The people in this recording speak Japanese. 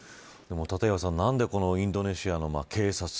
立岩さん何でこのインドネシアの警察